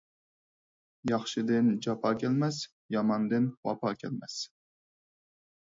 ياخشىدىن جاپا كەلمەس، ياماندىن ۋاپا كەلمەس.